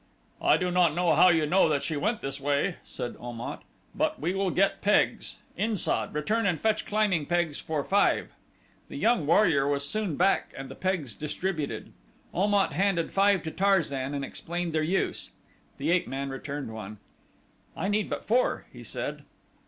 "I do not know how you know that she went this way," said Om at; "but we will get pegs. In sad, return and fetch climbing pegs for five." The young warrior was soon back and the pegs distributed. Om at handed five to Tarzan and explained their use. The ape man returned one. "I need but four," he said.